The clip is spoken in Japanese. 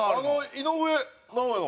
井上尚弥の？